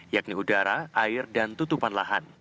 yakni udara air dan tutupan lahan